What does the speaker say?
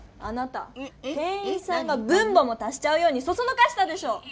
店員さんが分母もたしちゃうようにそそのかしたでしょ！